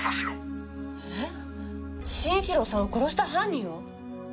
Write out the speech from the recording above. えっ慎一郎さんを殺した犯人を！？